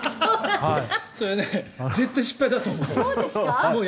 それは絶対失敗だと思う。